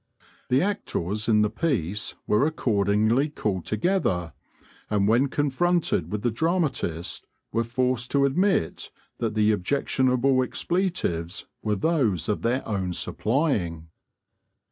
The actors in the piece were accordingly called together, and when confronted with the dramatist, were forced to admit that the objectionable expletives were those of their own supplying.